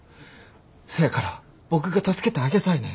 せやから僕が助けてあげたいねん。